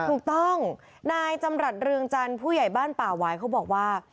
ถูกต้องนายจำรัฐเรืองจันทร์ผู้ใหญ่บ้านป่าวายเขาบอกว่า